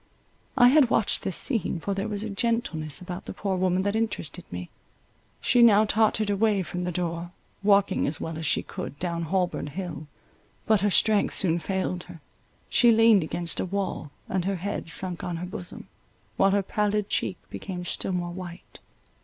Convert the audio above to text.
I had watched this scene, for there was a gentleness about the poor woman that interested me; she now tottered away from the door, walking as well as she could down Holborn Hill; but her strength soon failed her; she leaned against a wall, and her head sunk on her bosom, while her pallid cheek became still more white.